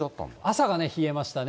朝がね、冷えましたね。